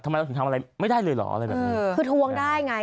ทำไมเราถึงทำอะไรไม่ได้เลยเหรออะไรแบบนี้คือทวงได้ไง